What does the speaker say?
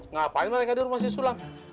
ngapain mereka ada di rumah si sulam